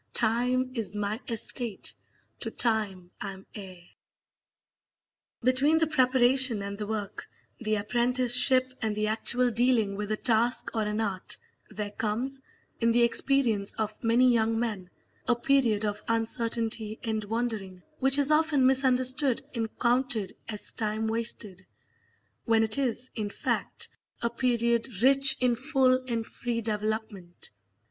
Time is my estate: to time I'm heir. Between the preparation and the work, the apprenticeship and the actual dealing with a task or an art, there comes, in the experience of many young men, a period of uncertainty and wandering which is often misunderstood and counted as time wasted, when it is, in fact, a period rich in full and free development.